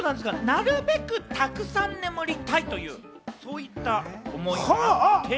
なるべく沢山眠りたいというそういった思いがあって。